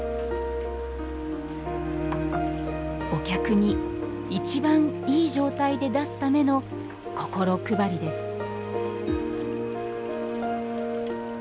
お客に一番いい状態で出すための心配りです